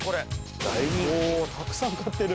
たくさん買ってる。